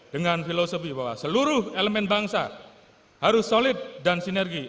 dengan filosofi bahwa seluruh elemen bangsa harus solid dan sinergi